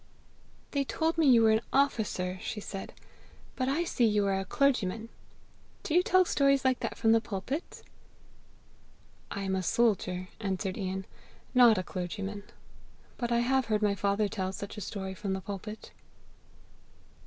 "They told me you were an officer," she said, "but I see you are a clergyman! Do you tell stories like that from the pulpit?" "I am a soldier," answered Ian, "not a clergyman. But I have heard my father tell such a story from the pulpit."